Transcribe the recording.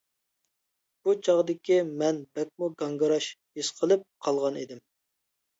بۇ چاغدىكى مەن بەكمۇ گاڭگىراش ھېس قىلىپ قالغانىدىم.